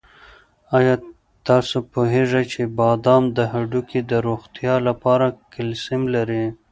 آیا تاسو پوهېږئ چې بادام د هډوکو د روغتیا لپاره کلسیم لري؟